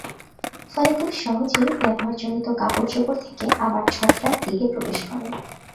ফলে খুব সহজেই ব্যবহারজনিত কাপড়চোপড় থেকে আবার ছত্রাক দেহে প্রবেশ করে।